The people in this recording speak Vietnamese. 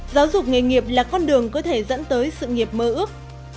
giáo dục nghề nghiệp là con đường có thể dẫn tới sự nghiệp mơ ước